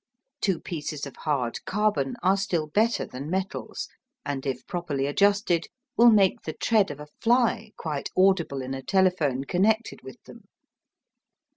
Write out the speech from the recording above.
Two pieces of hard carbon are still better than metals, and if properly adjusted will make the tread of a fly quite audible in a telephone connected with them.